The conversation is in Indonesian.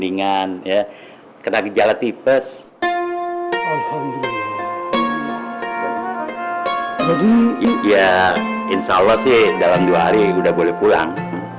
kemeningan ya kena gejala tipis ya insyaallah sih dalam dua hari udah boleh pulang